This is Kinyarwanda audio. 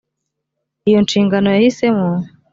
iyo nshingano yahisemo